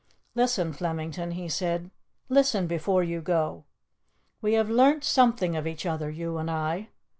"Listen, Flemington," he said. "Listen before you go. We have learnt something of each other, you and I.